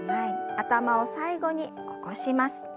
頭を最後に起こします。